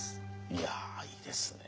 いやいいですね。